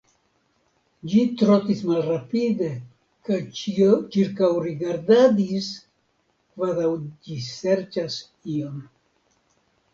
Ĝi trotis malrapide, kaj ĉirkaŭrigardadis, kvazaŭ ĝi serĉas ion.